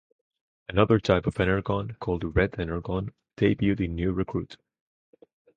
Another type of Energon called Red Energon debuted in New Recruit.